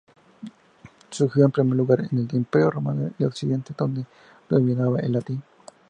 Surgió en primer lugar en el Imperio romano de Occidente, donde dominaba el latín.